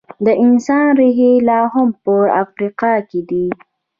د انسان ریښې لا هم په افریقا کې دي.